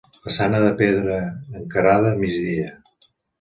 Façana de pedra encarada a migdia.